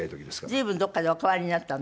随分どこかでお変わりになったの？